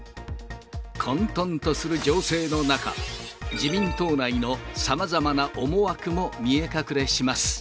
混とんとする情勢の中、自民党内のさまざまな思惑も見え隠れします。